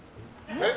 えっ？